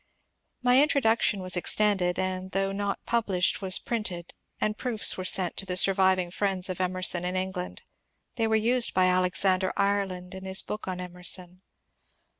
My introduction was extended, and though not published was printed, and proofs were sent to the surviving friends of Emerson in England ; they were used by Alex ander Ireland in his book on Emerson.